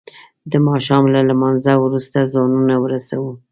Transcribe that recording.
د ما ښام له لما نځه وروسته ځانونه ورسو.